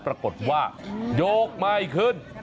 ปรากฏว่าโยกไม่ขึ้น